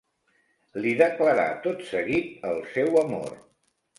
Li declarà tot seguit el seu amor.